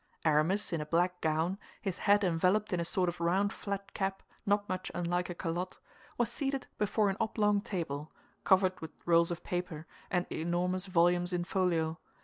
Aramis, in a black gown, his head enveloped in a sort of round flat cap, not much unlike a calotte, was seated before an oblong table, covered with rolls of paper and enormous volumes in folio.